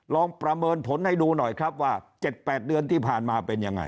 ประเมินผลให้ดูหน่อยครับว่า๗๘เดือนที่ผ่านมาเป็นยังไง